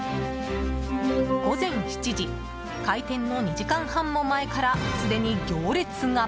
午前７時開店の２時間半も前からすでに行列が。